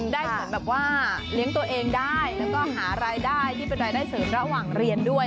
ได้เหมือนแบบว่าเลี้ยงตัวเองได้แล้วก็หารายได้ที่เป็นรายได้เสริมระหว่างเรียนด้วย